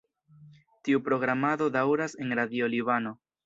Tiu programado daŭras en Radio Libano.